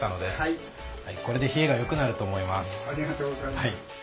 ありがとうございます。